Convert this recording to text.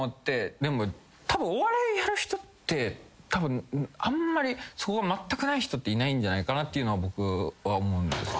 でもたぶんお笑いやる人ってあんまりそこがまったくない人っていないんじゃないかなっていうのは僕は思うんです。